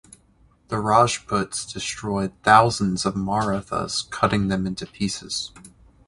The Rajputs destroyed thousands of Marathas cutting them into pieces.